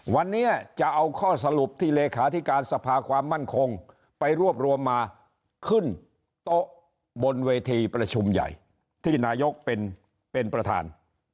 วันนี้จะเอาข้อสรุปที่เลขาธิการสภาความมั่นคงไปรวบรวมมาขึ้นโต๊ะบนเวทีประชุมใหญ่ที่นายกเป็นประธาน